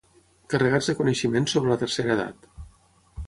Carregats de coneixements sobre la tercera edat.